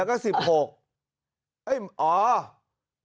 อ๋ออันหนึ่งอันหนึ่งนะดูผิดวัน